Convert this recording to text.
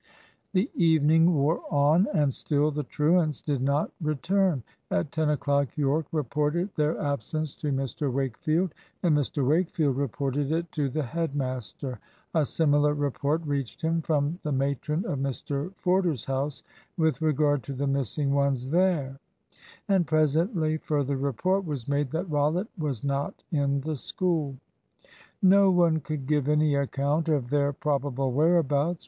The evening wore on, and still the truants did not return. At ten o'clock Yorke reported their absence to Mr Wakefield, and Mr Wakefield reported it to the head master. A similar report reached him from the matron of Mr Forders house with regard to the missing ones there; and presently, further report was made that Rollitt was not in the school. No one could give any account of their probable whereabouts.